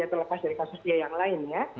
terlepas dari kasus dia yang lain ya